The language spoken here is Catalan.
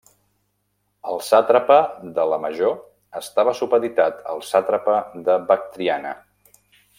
El sàtrapa de la major estava supeditat al sàtrapa de Bactriana.